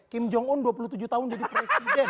kim jong un dua puluh tujuh tahun jadi presiden